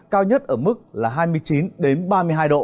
cao nhất ở mức là hai mươi chín ba mươi hai độ